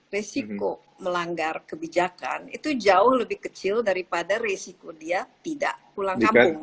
resiko melanggar kebijakan itu jauh lebih kecil daripada resiko dia tidak pulang kampung